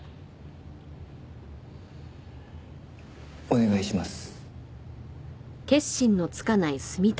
お願いします。